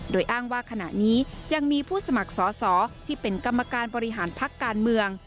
โดยอ้างว่าขณะนี้ยังมีผู้สมัครสอสอที่เป็นกรรมการบริหารพักการเมือง